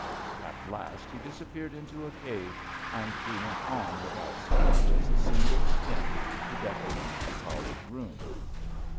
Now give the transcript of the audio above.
At last he disappeared into a cave, and we went on without so much as a single skin to decorate a college room.